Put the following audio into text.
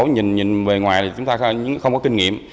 nhìn về ngoài chúng ta không có kinh nghiệm